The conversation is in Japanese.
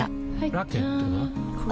ラケットは？